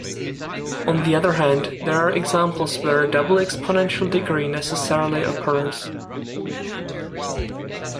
On the other hand, there are examples where a double exponential degree necessarily occurs.